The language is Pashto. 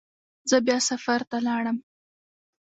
زه بیا سفر ته لاړم.